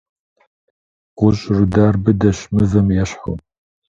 ГъущӀ рудар быдэщ, мывэм ещхьу.